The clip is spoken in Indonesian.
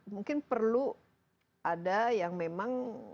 mungkin perlu ada yang memang